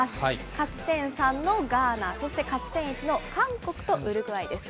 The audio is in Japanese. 勝ち点３のガーナ、そして勝ち点１の韓国とウルグアイです。